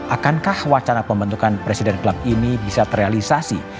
akankah wacana pembentukan presiden klub ini bisa terrealisasi